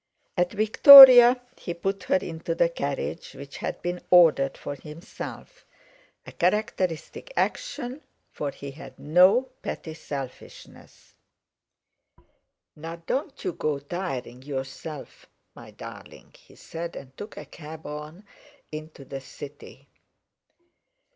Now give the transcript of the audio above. At Victoria he put her into the carriage which had been ordered for himself—a characteristic action, for he had no petty selfishnesses. "Now, don't you go tiring yourself, my darling," he said, and took a cab on into the city.